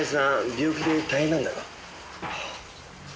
病気で大変なんだろ？